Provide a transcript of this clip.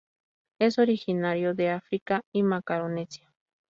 Es originario de África y Macaronesia.